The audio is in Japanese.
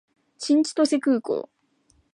新千歳空港